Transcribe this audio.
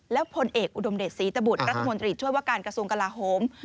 และพลเอกอุดมเดชศรีตบุตรรัฐมนตรีช่วยว่าการกระทรวงกลาโฮม